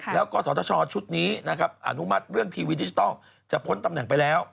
แล้วก็สตชชุดนี้นะครับอนุมัติเรื่องทีวีดิจิทัลจะพ้นตำแหน่งไปแล้ว